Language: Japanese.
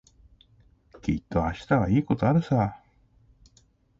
きっと明日はいいことあるさ。